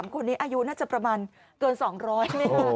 ๓คนนี้อายุน่าจะประมาณเกิน๒๐๐ไม่กลับ